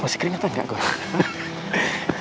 masih keringetan nggak gue